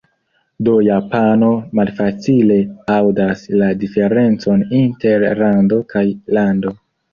Do japano malfacile aŭdas la diferencon inter "rando" kaj "lando".